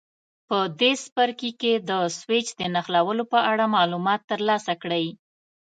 په دې څپرکي کې د سویچ د نښلولو په اړه معلومات ترلاسه کړئ.